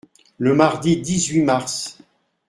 Le mardi dix-huit mars.